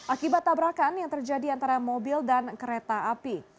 akibat tabrakan yang terjadi antara mobil dan kereta api